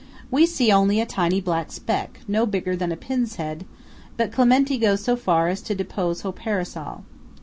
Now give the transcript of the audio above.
We see only a tiny black speck, no bigger than a pin's head; but Clementi goes so far as to depose to her parasol.